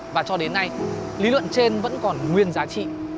và cho đến nay lý luận trên vẫn còn nguyên giá trị